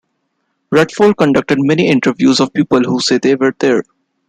Radford conducted many interviews of people who say they were there.